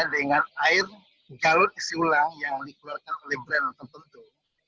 dengan air galon isi ulang yang dikeluarkan oleh brand tertentu